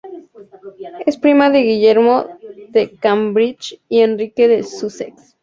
Es prima de Guillermo de Cambridge y Enrique de Sussex.